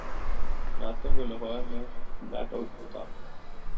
راتوں کو لاہور میں بلیک آؤٹ ہوتا۔